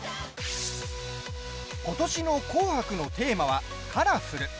ことしの紅白のテーマは「カラフル」。